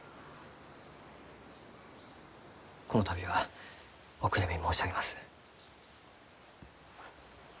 この度はお悔やみ申し上げます。